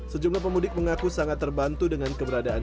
sejumlah pemudik mengaku sangat terbantu dengan keberadaan